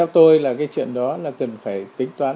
từ ngày một mươi sáu tháng đối với nam